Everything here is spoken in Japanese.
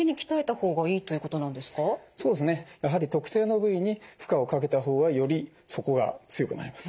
やはり特定の部位に負荷をかけた方がよりそこが強くなります。